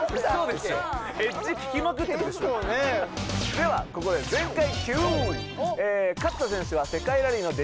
ではここで全開Ｑ！